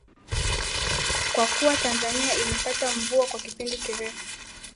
Kwa kuwa Tanzania imepata mvua kwa kipindi kirefu